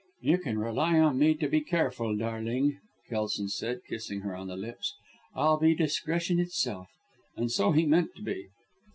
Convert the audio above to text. "You can rely on me to be careful, darling!" Kelson said, kissing her on the lips. "I'll be discretion itself," and so he meant to be.